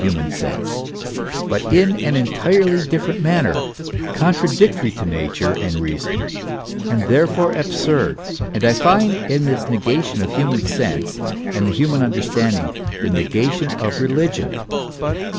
human sense, but in an entirely different manner, contradictory to Nature and reason, and therefore absurd, and I find in this negation of human sense and the human understanding, the negation of religion.